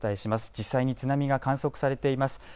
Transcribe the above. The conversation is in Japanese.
実際に津波が観測されています。